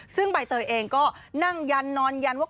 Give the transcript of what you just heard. ซึ่งใบเตยเองก็นั่งยันนอนยันว่า